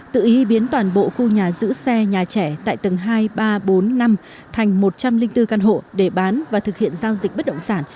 tự ý biến toàn bộ khu nhà giữ xe nhà trẻ tại tầng hai ba bốn năm thành một trăm linh bốn căn hộ để bán và thực hiện giao dịch bất động sản